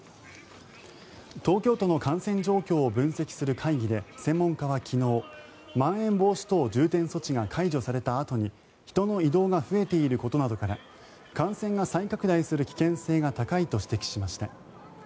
東京都の感染状況を分析する会議で専門家は昨日まん延防止等重点措置が解除されたあとに人の移動が増えていることなどから感染が再拡大する危険性が高いと指摘しました。